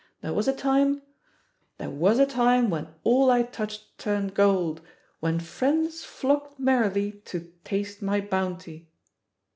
There was a time, 'There was a time when all I touched turned gold. When friends flocked merrily to taste mj bounty!'